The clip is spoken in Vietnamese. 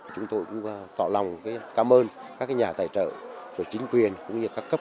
chúng tôi cũng tỏ lòng cảm ơn các cái nhà tài trợ rồi chính quyền cũng như các cấp